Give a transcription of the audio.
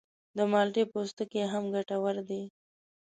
د مالټې پوستکی هم ګټور دی.